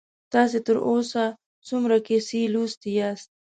تاسې تر اوسه څومره کیسې لوستي یاست؟